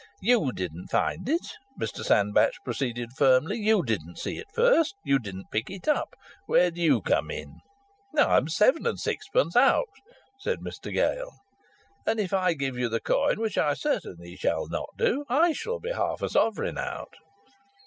"You didn't find it," Mr Sandbach proceeded firmly. "You didn't see it first. You didn't pick it up. Where do you come in?" "I'm seven and sixpence out," said Mr Gale. "And if I give you the coin, which I certainly shall not do, I should be half a crown out."